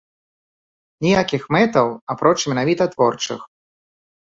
Ніякіх мэтаў, апроч менавіта творчых.